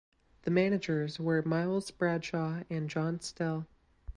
The managers were Miles Bradshaw and John Stelle.